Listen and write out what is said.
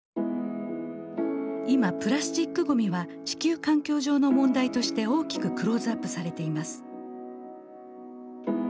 今プラスチックごみは地球環境上の問題として大きくクローズアップされています。